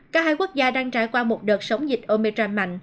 cả hai quốc gia đang trải qua một đợt sống dịch omicron mạnh